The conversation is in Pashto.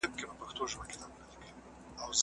پلار هغه بيا چېرته ولېږه؟